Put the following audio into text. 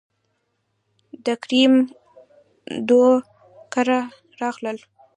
دکريم دو کره راغلل،